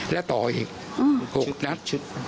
แล้วต่ออีก๖นัด